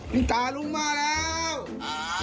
มิตาลุงมาแล้ว